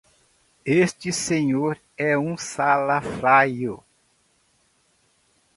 Este senhor é um salafrário!